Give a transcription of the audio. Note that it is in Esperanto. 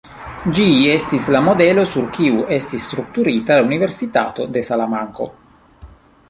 Ĝi estis la modelo sur kiu estis strukturita la Universitato de Salamanko.